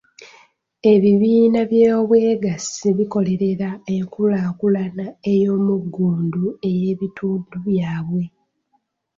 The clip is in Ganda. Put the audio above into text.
Ebibiina by’obwegassi bikolerera enkulaakulana ey’omuggundu ey’ebitundu byabwe.